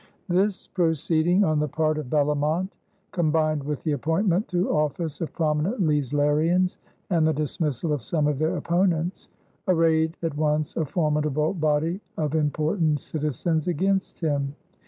This proceeding on the part of Bellomont, combined with the appointment to office of prominent Leislerians and the dismissal of some of their opponents, arrayed at once a formidable body of important citizens against him.